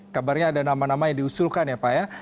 kabarnya ada nama nama yang diusulkan ya pak ya